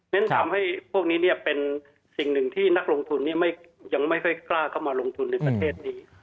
ทำให้พวกนี้เป็นสิ่งหนึ่งที่นักลงทุนยังไม่ค่อยกล้าเข้ามาลงทุนในประเทศนี้